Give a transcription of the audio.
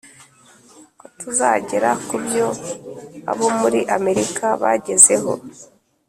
ko tuzagera ku byo abo muri Amerika bagezeho